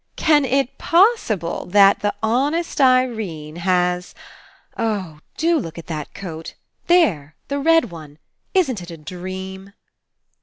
"Can it possible that the honest Irene has — Oh, do look at that coat! There. The red one. Isn't it a dream?"